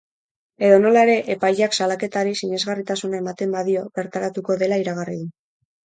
Edonola ere, epaileak salaketari sinesgarritasuna ematen badio bertaratuko dela iragarri du.